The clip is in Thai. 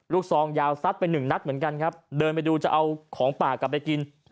ซองยาวซัดไปหนึ่งนัดเหมือนกันครับเดินไปดูจะเอาของป่ากลับไปกิน